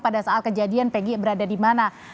pada saat kejadian pg berada di mana